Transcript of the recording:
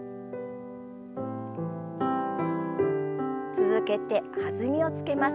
続けて弾みをつけます。